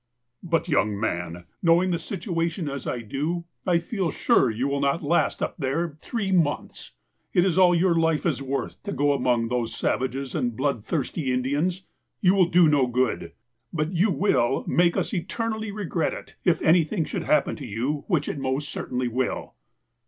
" But, young man, knowing the situation as I do, I feel sure you will not last up there three months. It is all your life is worth to go among those savage and blood thirsty Indians. You will do no good. But you will make us eternally regret it, if anything should happen to you, which it most certainly will."